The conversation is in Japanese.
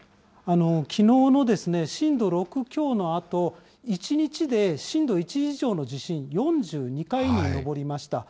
きのうの震度６強のあと、１日で震度１以上の地震、４２回に上りました。